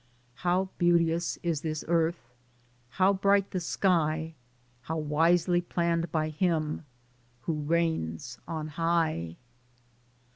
How beauteous is this earth. How bright the sky, How wisely planned by him Who reigns on high.